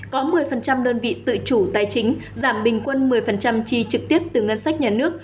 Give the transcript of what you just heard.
có một mươi đơn vị tự chủ tài chính giảm bình quân một mươi chi trực tiếp từ ngân sách nhà nước